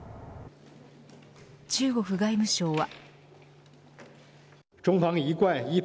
中国外務省は。